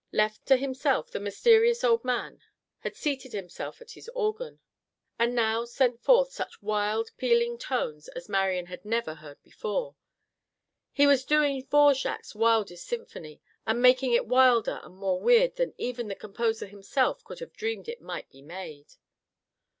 Left to himself, the mysterious old man had seated himself at his organ, and now sent forth such wild, pealing tones as Marian had never heard before. He was doing Dvorjak's wildest symphony, and making it wilder and more weird than even the composer himself could have dreamed it might be made.